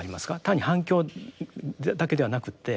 他に反共だけではなくって。